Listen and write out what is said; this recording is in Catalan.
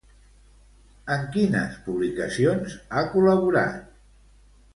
En quines publicacions ha col·laborat?